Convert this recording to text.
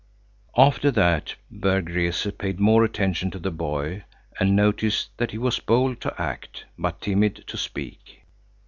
After that Berg Rese paid more attention to the boy and noticed that he was bold to act but timid to speak.